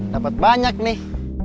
dapat banyak nih